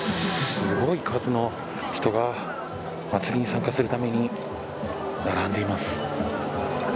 すごい数の人が祭りに参加するために並んでいます。